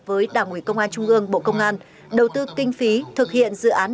với đảng ủy công an trung gương bộ công an đầu tư kinh phí thực hiện dự án